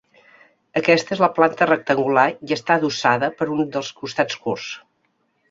Aquesta és de planta rectangular i està adossada per un dels seus costats curts.